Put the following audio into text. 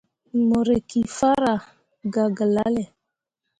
Mo rǝkki farah gah gelale.